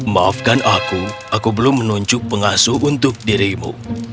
maafkan aku aku belum menunjuk pengasuh untuk dirimu